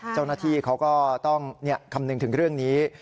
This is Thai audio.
เจ้าหน้าที่เขาก็ต้องคำนึงถึงเรื่องนี้